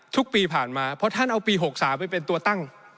ทุกปีผ่านมาเพราะท่านเอาปี๖๓ไปเป็นตัวตั้ง